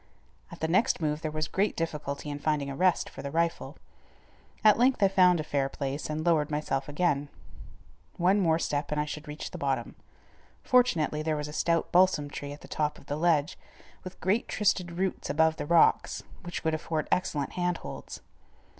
At the next move there was great difficulty in finding a rest for the rifle. At length I found a fair place, and lowered myself again. One more step and I should reach the bottom. Fortunately there was a stout balsam tree at the top of the ledge, with great twisted roots above the rocks, which would afford excellent hand holds.